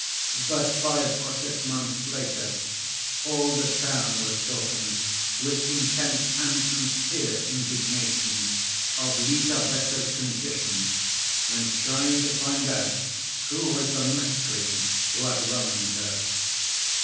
But five or six months later, all the town was talking, with intense and sincere indignation, of Lizaveta's condition, and trying to find out who was the miscreant who had wronged her.